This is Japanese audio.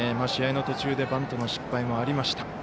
試合の途中でバントの失敗もありました。